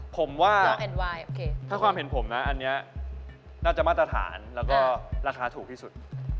ผมว่าถ้าความเห็นผมนะอันนี้น่าจะมาตรฐานแล้วก็ราคาถูกที่สุด